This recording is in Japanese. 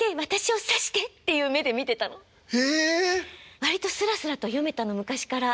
割とすらすらと読めたの昔から。